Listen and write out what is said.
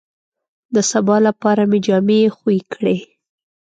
د سبا لپاره مې جامې خوې کړې.